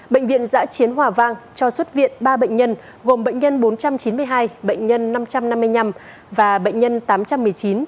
bệnh viện giã chiến hòa vang cho xuất viện ba bệnh nhân gồm bệnh nhân bốn trăm chín mươi hai bệnh nhân năm trăm năm mươi năm và bệnh nhân tám trăm một mươi chín